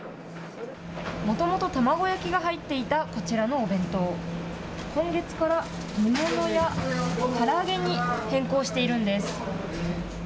もともと卵焼きが入っていたこちらのお弁当、今月から煮物やから揚げに変更しているんです。